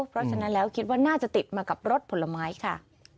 เพราะฉะนั้นแล้วคิดว่าน่าจะติดมากับรถผลไม้ค่ะ